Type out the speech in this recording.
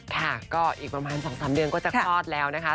ค่ะก็อีกประมาณ๒๓เดือนก็จะคลอดแล้วนะคะ